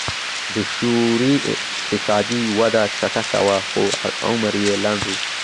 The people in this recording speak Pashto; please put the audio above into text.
د شوروي اقتصادي وده چټکه وه خو عمر یې لنډ و